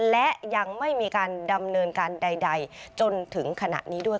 และยังไม่มีการดำเนินการใดจนถึงขณะนี้ด้วย